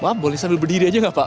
maaf boleh sambil berdiri aja gak pak